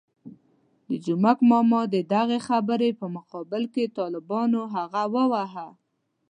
د جومک ماما د دغې خبرې په مقابل کې طالبانو هغه وواهه.